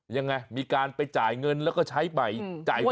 ยังไงมีการไปจ่ายเงินแล้วก็ใช้ใหม่